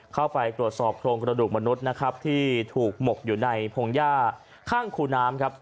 เข้าไปตรวจสอบโครงกระดูกมนุษย์นะครับที่ถูกหมกอยู่ในพงหญ้าข้างคูน้ำครับ